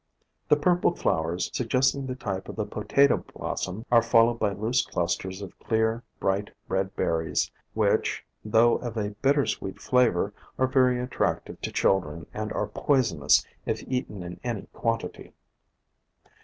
The purple flowers, suggesting the type of the Potato blossom, are followed by loose clusters of clear, bright red berries, which, though of a bittersweet flavor, are very attractive to children and are poisonous if eaten in any quantity.